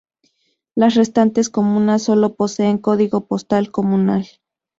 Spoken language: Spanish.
Las restantes comunas solo poseen código postal comunal.